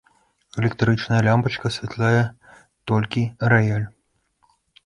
Электрычная лямпачка асвятляе толькі раяль.